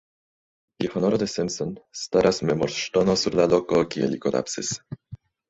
Je honoro de Simpson, staras memorŝtono sur la loko, kie li kolapsis.